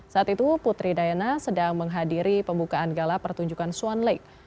saat itu putri diana sedang menghadiri pembukaan gala pertunjukan suan lake